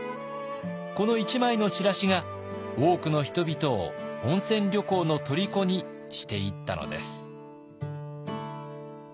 この１枚のチラシが多くの人々を温泉旅行のとりこにしていったのです。